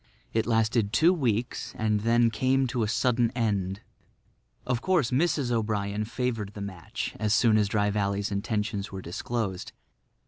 It lasted two weeks and then came to a sudden end. Of course Mrs. O'Brien favoured the match as soon as Dry Valley's intentions were disclosed.